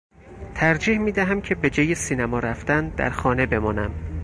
ترجیح میدهم که به جای سینما رفتن در خانه بمانم.